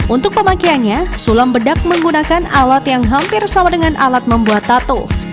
untuk pemakaiannya sulam bedak menggunakan alat yang hampir sama dengan alat membuat tato